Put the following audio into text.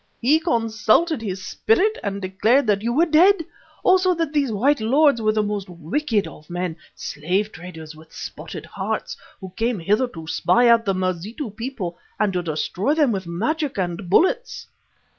He consulted his Spirit and declared that you were dead; also that these white lords were the most wicked of men, slave traders with spotted hearts, who came hither to spy out the Mazitu people and to destroy them with magic and bullets."